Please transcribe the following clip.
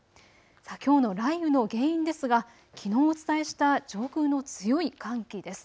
きょうの雷雨の原因ですがきのうお伝えした上空の強い寒気です。